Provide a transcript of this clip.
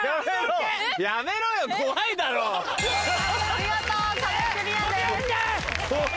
見事壁クリアです。